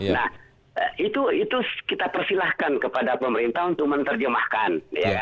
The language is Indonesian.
nah itu kita persilahkan kepada pemerintah untuk menerjemahkan